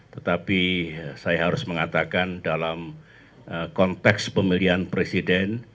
tetapi saya harus mengatakan dalam konteks pemilihan presiden